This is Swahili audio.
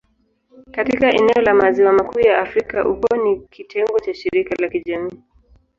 Katika eneo la Maziwa Makuu ya Afrika, ukoo ni kitengo cha shirika la kijamii.